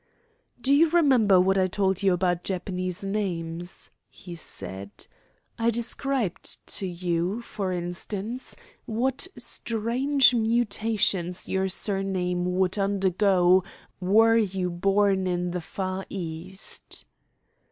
"Do you remember what I told you about Japanese names?" he said. "I described to you, for instance, what strange mutations your surname would undergo were you born in the Far East."